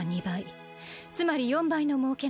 つまり４倍のもうけが出る。